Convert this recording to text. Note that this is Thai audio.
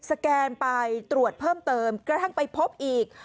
แกนไปตรวจเพิ่มเติมกระทั่งไปพบอีก